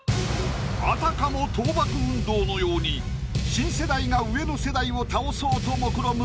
あたかも倒幕運動のように新世代が上の世代を倒そうともくろむ